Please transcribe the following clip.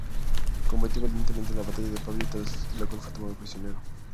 Combatió valientemente en la batalla de Pavía, tras la cual fue tomado prisionero.